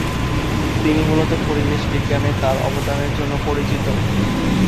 তিনি মূলত পরিবেশ বিজ্ঞানে তার অবদানের জন্য পরিচিত।